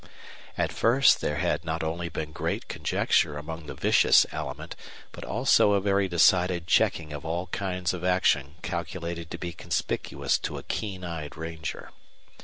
At first there had not only been great conjecture among the vicious element, but also a very decided checking of all kinds of action calculated to be conspicuous to a keen eyed ranger.